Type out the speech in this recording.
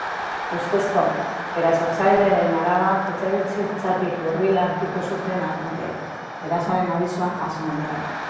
Ustezko erasotzailearen alaba etxebizitzatik hurbil aurkitu zuten agenteek, erasoaren abisua jaso ondoren.